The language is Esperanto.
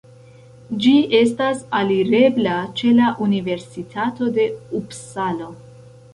Ĝi estas alirebla ĉe la universitato de Upsalo.